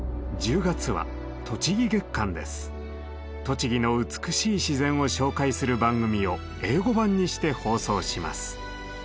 栃木の美しい自然を紹介する番組を英語版にして放送します。